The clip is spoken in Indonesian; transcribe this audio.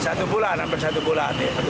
satu bulan hampir satu bulan